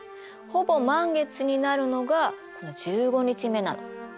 ほぼ満月になるのが１５日目なの。